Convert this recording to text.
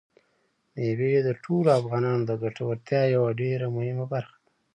مېوې د ټولو افغانانو د ګټورتیا یوه ډېره مهمه برخه ده.